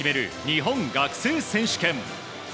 日本学生選手権。